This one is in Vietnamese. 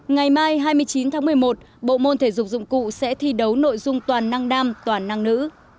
ngày mai hai mươi chín tháng một mươi một bộ môn thể dục dụng cụ sẽ thi đấu nội dung toàn năng toàn năng nữ